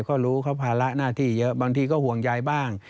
ก็รู้เขาภาระหน้าที่เยอะบางทีก็ห่วงยายบ้าง